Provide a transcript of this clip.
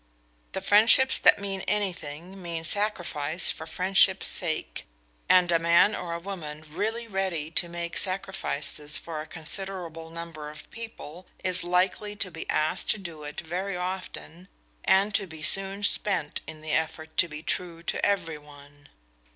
The friendships that mean anything mean sacrifice for friendship's sake; and a man or a woman really ready to make sacrifices for a considerable number of people is likely to be asked to do it very often, and to be soon spent in the effort to be true to every one.